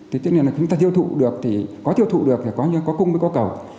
thì tức là chúng ta thiêu thụ được thì có thiêu thụ được thì có cung với có cầu